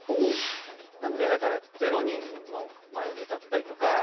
なので０人の前で歌ったりとか。